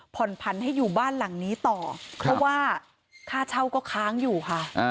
ผ่อนผันให้อยู่บ้านหลังนี้ต่อเพราะว่าค่าเช่าก็ค้างอยู่ค่ะ